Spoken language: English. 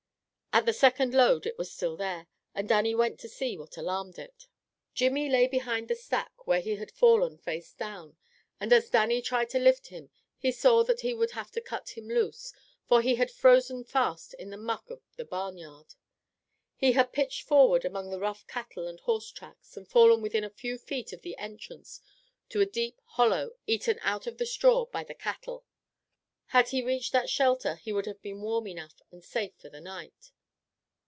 At the second load it was still there, and Dannie went to see what alarmed it. Jimmy lay behind the stack, where he had fallen face down, and as Dannie tried to lift him he saw that he would have to cut him loose, for he had frozen fast in the muck of the barnyard. He had pitched forward among the rough cattle and horse tracks and fallen within a few feet of the entrance to a deep hollow eaten out of the straw by the cattle. Had he reached that shelter he would have been warm enough and safe for the night.